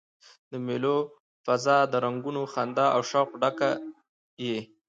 د مېلو فضا د رنګونو، خندا او شوق ډکه يي.